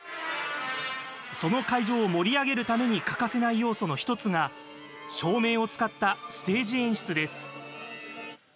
その会場を盛り上げるために欠かせない要素の１つが照明を使ったステージ演出です。